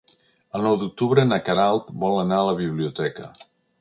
El nou d'octubre na Queralt vol anar a la biblioteca.